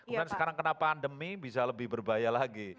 kemudian sekarang kenapa pandemi bisa lebih berbahaya lagi